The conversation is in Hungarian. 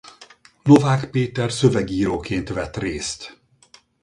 Novák Péter szövegíróként vett részt.